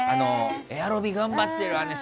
エアロビ頑張ってるわね